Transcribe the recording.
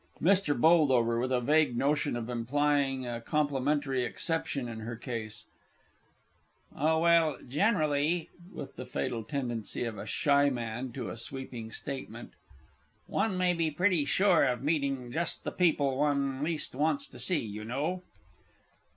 MR. B. (with a vague notion of implying a complimentary exception in her case). Oh, well, generally (with the fatal tendency of a shy man to a sweeping statement) one may be pretty sure of meeting just the people one least wants to see, you know.